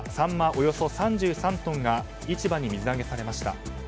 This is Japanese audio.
およそ３３トンが市場に水揚げされました。